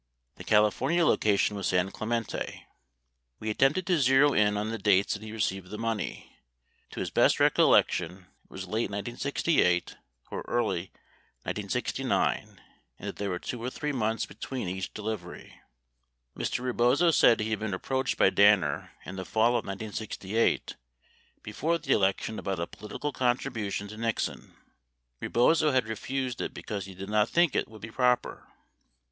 The California location was San Clemente. We attempted to zero in on the dates that he received the money. To his best recollection, it was late 1968 or early 1969 and that there were 2 or 3 months between each delivery. Mr. Rebozo said he had been approached by Danner in the fall of 1968 before the election about a political contribution to Nixon. Rebozo had refused it because he did not think it would be proper.